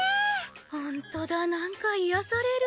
ホントだなんか癒やされる。